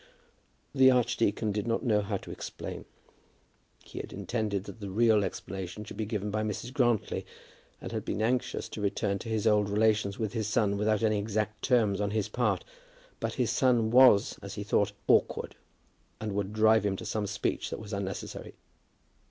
The archdeacon did not know how to explain. He had intended that the real explanation should be given by Mrs. Grantly, and had been anxious to return to his old relations with his son without any exact terms on his own part. But his son was, as he thought, awkward, and would drive him to some speech that was unnecessary.